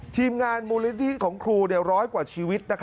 ทีมงานมูลดิของครู๑๐๐กว่าชีวิต